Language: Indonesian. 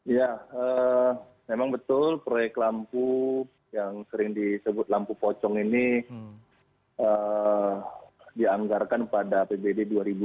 ya memang betul proyek lampu yang sering disebut lampu pocong ini dianggarkan pada apbd dua ribu dua puluh